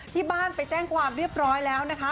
ที่บ้านไปแจ้งความเรียบร้อยแล้วนะคะ